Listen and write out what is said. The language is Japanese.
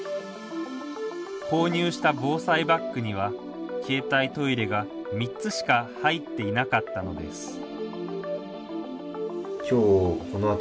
購入した防災バッグには携帯トイレが３つしか入っていなかったのです